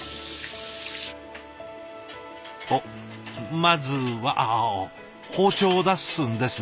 おっまずは包丁を出すんですね。